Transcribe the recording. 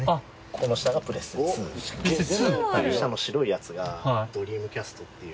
この下の白いやつがドリームキャストっていう。